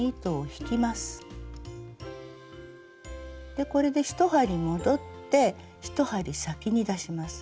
でこれで１針戻って１針先に出します。